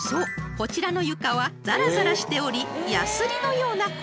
こちらの床はざらざらしておりやすりのような効果が］